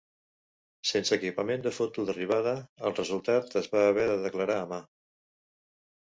Sense equipament de foto d'arribada, el resultat es va haver de declarar a mà.